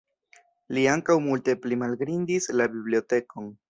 Li ankaŭ multe pligrandigis la bibliotekon.